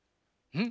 うん！